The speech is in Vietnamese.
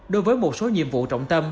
đối với một số nhiệm vụ trọng tâm